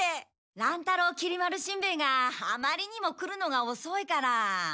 乱太郎きり丸しんべヱがあまりにも来るのがおそいから。